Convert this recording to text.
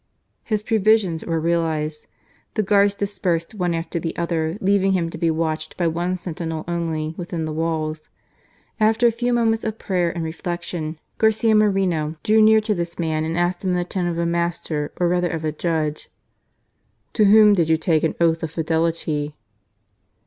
His previsions were realized. The guards dispersed one after the other, leaving him to be watched by one sentinel only within the walls. After a few moments of prayer and reflection, Garcia Moreno drew near to this man and asked him in the tone of a master or rather of a judge : THE DRAMA OF RIOBAMBA. 85 " To whom did you take an oath of fidelity